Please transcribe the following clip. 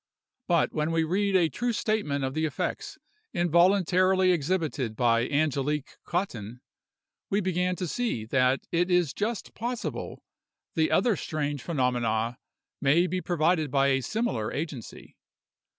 But when we read a true statement of the effects involuntarily exhibited by Angelique Cottin, we begin to see that it is just possible the other strange phenomena may be provided by a similar agency.